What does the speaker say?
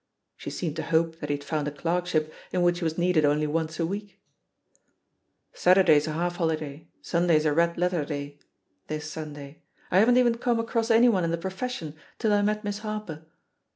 She seemed to hope that he had found a clerkship in which he was needed only once a week. "Saturday's a half holiday; Sunday's a red letter day — ^this Simday. I haven't even come across anyone in the profession till I met Miss (Harper."